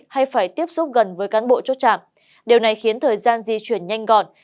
hay phải tiếp xúc gần với cán bộ chốt chạm điều này khiến thời gian di chuyển nhanh gọn